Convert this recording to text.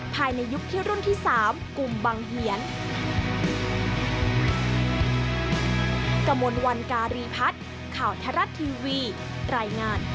ภายในยุคที่รุ่นที่๓กลุ่มบังเหียน